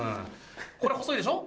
これ細いでしょ？